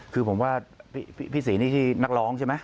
คือผมว่าพี่ศรีนี่คือนักร้องใช่ไหม